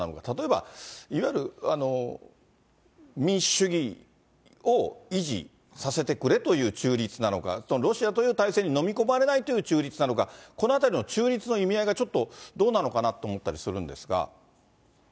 例えば、いわゆる民主主義を維持させてくれという中立なのか、ロシアという体制に飲み込まれないという中立なのか、このあたりの中立の意味合いが、ちょっとどうなのかなと思ったりするんです